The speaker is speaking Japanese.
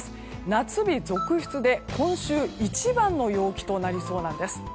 夏日続出で、今週一番の陽気となりそうなんです。